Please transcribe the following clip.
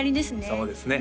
そうですね